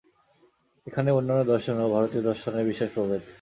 এখানেই অন্যান্য দর্শন ও ভারতীয় দর্শনের মধ্যে বিশেষ প্রভেদ।